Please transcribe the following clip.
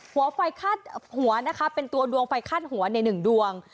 หัวไฟคาดหัวนะคะเป็นตัวดวงไฟคาดหัวในหนึ่งดวง